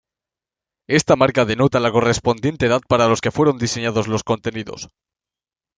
Esta marca denota la correspondiente edad para los que fueron diseñados los contenidos.